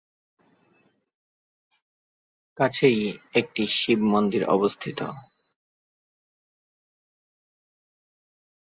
কাছেই একটি শিব মন্দির অবস্থিত।